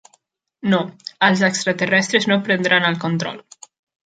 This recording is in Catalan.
No, els extraterrestres no prendran el control.